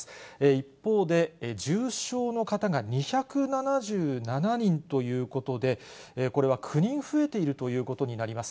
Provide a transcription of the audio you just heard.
一方で、重症の方が２７７人ということで、これは９人増えているということになります。